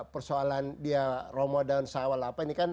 persoalan dia ramadan sawal apa ini kan